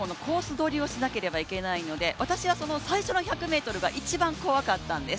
取りをしなければいけないので私は最初の１００ｍが一番怖かったんです。